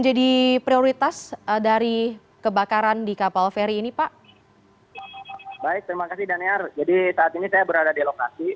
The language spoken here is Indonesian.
jadi saat ini saya berada di lokasi